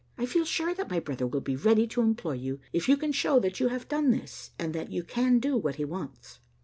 I feel sure that my brother will be ready to employ you, if you can show that you have done this, and that you can do what he wants."